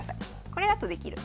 これだとできる。